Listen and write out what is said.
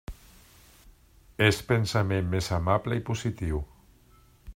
És pensament més amable i positiu.